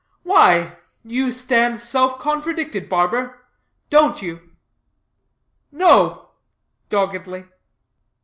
"Why, you stand self contradicted, barber; don't you?" "No," doggedly.